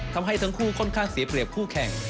ทำให้ทั้งคู่ค่อนข้างเสียเปรียบคู่แข่ง